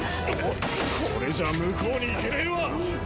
これじゃ向こうに行けねえわ。